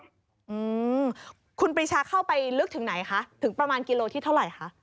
อืมคุณปรีชาเข้าไปลึกถึงไหนคะถึงประมาณกิโลที่เท่าไหร่คะ